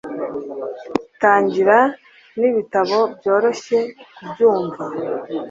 Tangira nibitabo byoroshye kubyumva